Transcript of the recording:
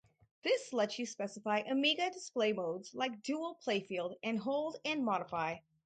This lets you specify Amiga display modes like "dual playfield" and "hold and modify".